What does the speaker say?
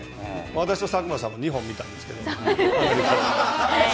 私と佐久間さんも２本見たんです。